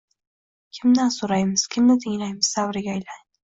“kimdan so‘raymiz”, “kimni tinglaymiz” davriga aylandi.